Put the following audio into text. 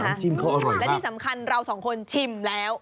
ชิมเขาอร่อยและที่สำคัญเราสองคนชิมแล้ว